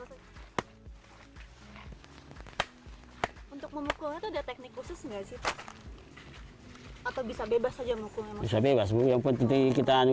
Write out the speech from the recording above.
untuk memukulnya ada teknik khusus enggak sih pak atau bisa bebas saja